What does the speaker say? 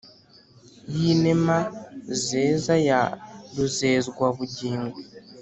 y‘ inema zeza ya ruzezwabugingo,